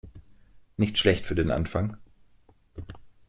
Nicht schlecht für den Anfang.